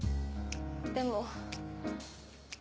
でも。